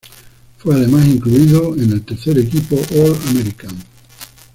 Fue además incluido en en el tercer equipo All-American.